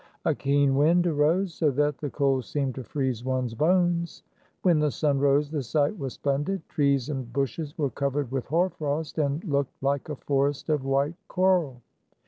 A keen wind arose, so that the cold seemed to freeze one's bones. When the sun rose, the sight was splendid. Trees and bushes were covered with hoarfrost, and looked like a forest of white coral.